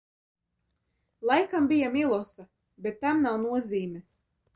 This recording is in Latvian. Laikam bija Milosa, bet tam nav nozīmes!